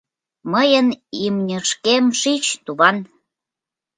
— Мыйын имньышкем шич, туван!